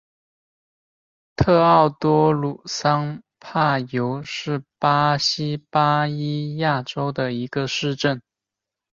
特奥多鲁桑帕尤是巴西巴伊亚州的一个市镇。